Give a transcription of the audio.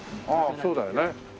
ああそうだよね。